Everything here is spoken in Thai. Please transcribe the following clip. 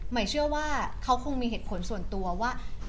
เชื่อว่าเขาคงมีเหตุผลส่วนตัวว่า